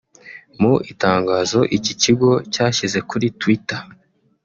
Mu itangazo iki Kigo cyashyize kuri Twitter